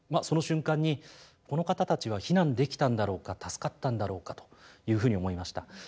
その瞬間にこの方たちは避難できたんだろうか助かったんだろうかというふうに思いました。